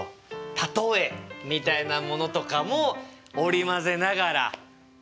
「例え」みたいなものとかも織り交ぜながら。